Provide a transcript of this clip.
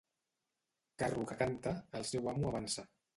Carro que canta, el seu amo avança.